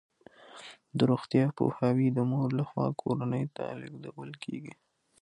د روغتیا پوهاوی د مور لخوا کورنۍ ته لیږدول کیږي.